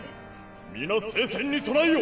皆聖戦に備えよ！